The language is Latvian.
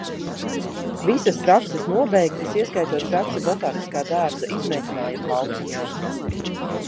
Visas prakses nobeigtas, ieskaitot praksi Botāniskā dārza izmēģinājuma lauciņā.